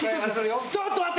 ちょっと待って！